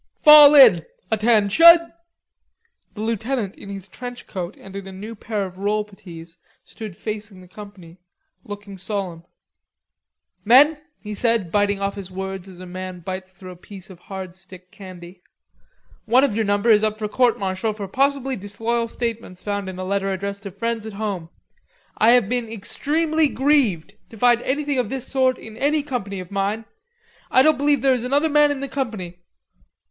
"Fall in! Atten shun!" The lieutenant in his trench coat and in a new pair of roll puttees stood facing the company, looking solemn. "Men," he said, biting off his words as a man bites through a piece of hard stick candy; "one of your number is up for courtmartial for possibly disloyal statements found in a letter addressed to friends at home. I have been extremely grieved to find anything of this sort in any company of mine; I don't believe there is another man in the company...